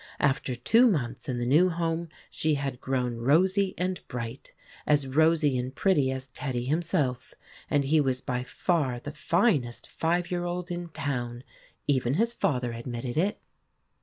After two months in the new home, she had grown rosy and bright as rosy and pretty as Teddy himself; and he was by far the finest five year old in town even his father admitted it.